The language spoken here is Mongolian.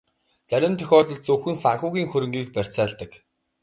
Зарим тохиолдолд зөвхөн санхүүгийн хөрөнгийг барьцаалдаг.